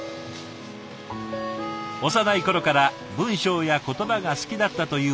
幼い頃から文章や言葉が好きだったという矢野さん。